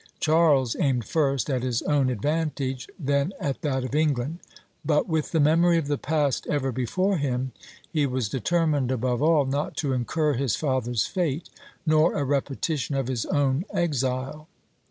Charles aimed first at his own advantage, then at that of England; but, with the memory of the past ever before him, he was determined above all not to incur his father's fate nor a repetition of his own exile.